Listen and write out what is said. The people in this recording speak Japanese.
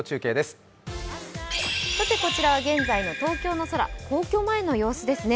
こちらは現在の東京の朝皇居前の様子ですね。